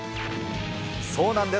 そうなんです。